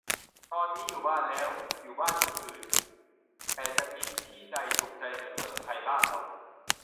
ตอนนี้ "อยู่บ้าน" แล้ว อยู่บ้านคนอื่น แต่จะมีที่ใดสุขใจเหมือนเมืองไทยบ้านเรา~~